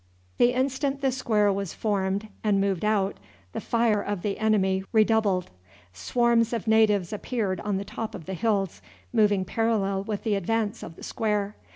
The instant the square was formed and moved out the fire of the enemy redoubled. Swarms of natives appeared on the top of the hills, moving parallel with the advance of the square.